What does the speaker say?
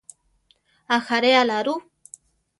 ¿Ajaréala rú?